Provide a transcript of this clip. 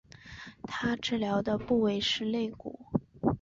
她治疗的部位是肋骨。